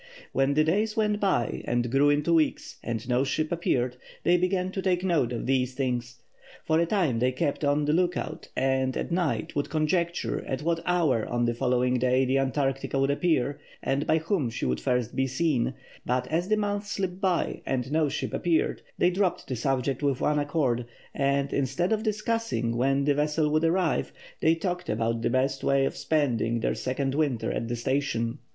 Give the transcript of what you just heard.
When the days went by and grew into weeks, and no ship appeared, they began to take note of these things. For a time they kept on the lookout, and, at night, would conjecture at what hour on the following day the Antarctica would appear, and by whom she would first be seen, but as the month slipped by and no ship appeared, they dropped the subject, with one accord, and, instead of discussing when the vessel would arrive, they talked about the best way of spending their second winter at the station.